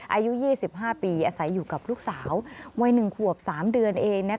อายุ๒๕ปีอาศัยอยู่กับลูกสาววัย๑ขวบ๓เดือนเอง